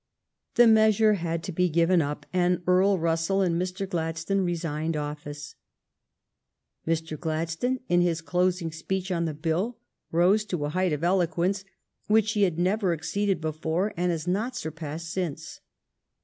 The measure had to be given up, and Earl Russell and Mr. Gladstone resigned office. Mr. Gladstone, in his closing speech on the bill, rose to a height of eloquence which he had never exceeded before and has not surpassed since.